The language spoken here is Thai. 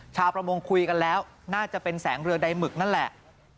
ชาวประมงคุยกันแล้วน่าจะเป็นแสงเรือใดหมึกนั่นแหละ